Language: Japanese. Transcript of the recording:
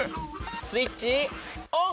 スイッチオン！